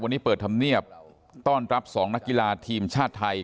วันนี้เปิดธรรมเนียบต้อนรับ๒นักกีฬาทีมชาติไทย